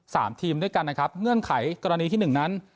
สามทีมด้วยกันนะครับเงื่อนไขกรณีที่หนึ่งนั้น